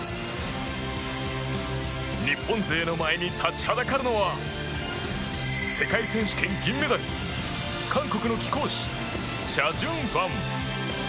日本勢の前に立ちはだかるのは世界選手権銀メダル韓国の貴公子チャ・ジュンファン。